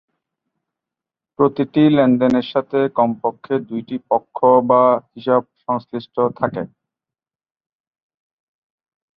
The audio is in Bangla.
প্রতিটি লেনদেনের সাথে কমপক্ষে দুইটি পক্ষ বা হিসাব সংশ্লিষ্ট থাকে।